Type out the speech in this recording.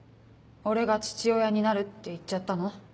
「俺が父親になる」って言っちゃったの？